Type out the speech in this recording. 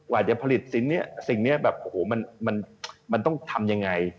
อาจจะผลิตสิ่งนี้สิ่งนี้แบบโอ้โหมันต้องทำยังไง